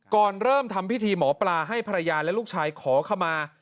ก่อนเริ่มทำพิธีหมอปลาให้ภรรยาและลูกชายขอขมา